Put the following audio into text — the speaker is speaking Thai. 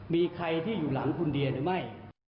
มีใครที่อยู่หลังคุณเดียหรือไม่